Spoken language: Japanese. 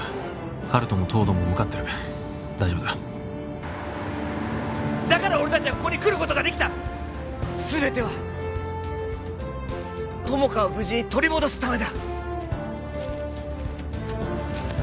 温人も東堂も向かってる大丈夫だだから俺達はここに来ることができた全ては友果を無事に取り戻すためだ